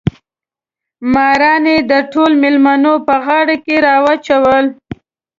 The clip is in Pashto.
ماران یې د ټولو مېلمنو په غاړو کې راچول.